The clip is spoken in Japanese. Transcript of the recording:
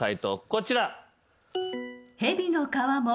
こちら。